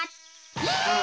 え！